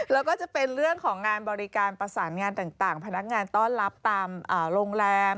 แล้วก็จะเป็นเรื่องของงานบริการประสานงานต่างพนักงานต้อนรับตามโรงแรม